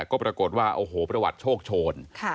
ก็ปรากฏว่าโอ้โหประวัติโชคโชน